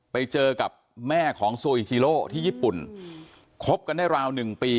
ไปเจอกับแม่ของโซอิโลที่ญี่ปุ่นคบกันได้ราวหนึ่งปี